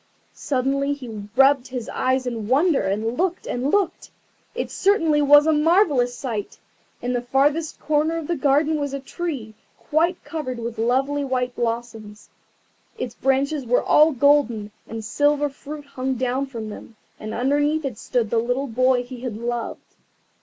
Suddenly he rubbed his eyes in wonder, and looked and looked. It certainly was a marvellous sight. In the farthest corner of the garden was a tree quite covered with lovely white blossoms. Its branches were all golden, and silver fruit hung down from them, and underneath it stood the little boy he had loved.